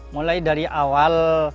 mulai dari awal